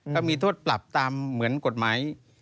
ก็มีโทษปรับตามเหมือนกฎหมาย